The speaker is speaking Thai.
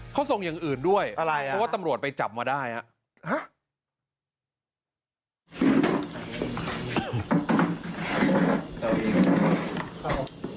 เขาส่งอย่างอื่นด้วยอะไรอ่ะเพราะว่าตำรวจไปจับมาได้ครับ